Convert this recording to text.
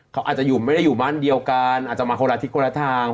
เขาอาจจะอยู่ไม่ได้อยู่บ้านเดียวกันอาจจะมาคนละทิศคนละทาง